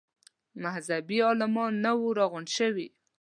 مذهبي عالمان نه وه راغونډ شوي.